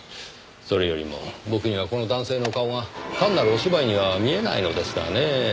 それよりも僕にはこの男性の顔が単なるお芝居には見えないのですがねぇ。